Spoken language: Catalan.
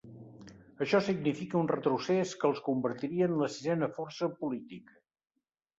Això significa un retrocés que els convertiria en la sisena força política.